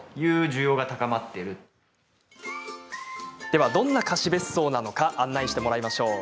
では、どんな貸し別荘なのか案内してもらいましょう。